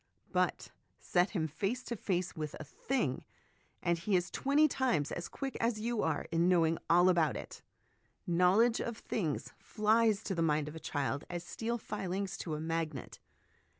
But set him face to face with a thing, and he is twenty times as quick as you are in know ing all about it ; knowledge of things flies to the mind of a child as steel filings to a magnet.